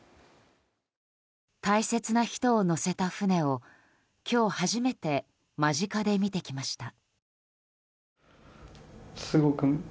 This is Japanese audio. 大切な人を乗せた船を今日初めて間近で見てきました。